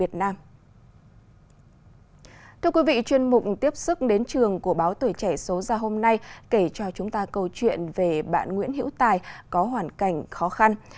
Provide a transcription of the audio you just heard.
thưa quý vị chuyên mục tiếp sức đến trường của báo tuổi trẻ số ra hôm nay kể cho chúng ta câu chuyện về bạn nguyễn hiễu tài có hoàn cảnh khó khăn